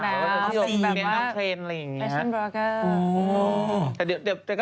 อรูปภาษีอะไรอย่างนี้แฟชั่นฟันเบอร์เกอร์